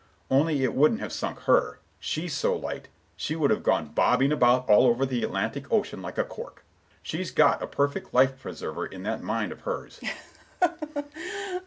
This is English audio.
Only it wouldn't have sunk her,—she's so light; she'd have gone bobbing about all over the Atlantic Ocean, like a cork; she's got a perfect life preserver in that mind of hers."